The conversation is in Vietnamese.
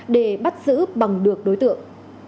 để bắt giữ bằng được đối tượng